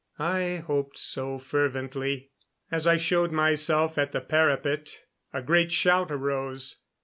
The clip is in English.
I hoped so fervently. As I showed myself at the parapet a great shout arose.